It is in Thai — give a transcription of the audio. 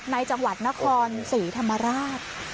ในจังหวัดนครศรีธรรมราช